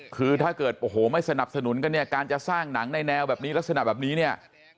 คือถ้าเกิดโอ้โหไม่สนับสนุนกันเนี่ยการจะสร้างหนังในแนวแบบนี้ลักษณะแบบนี้เนี่ย